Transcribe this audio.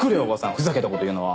ふざけた事言うのは！